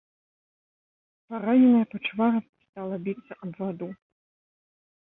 Параненая пачвара стала біцца аб ваду.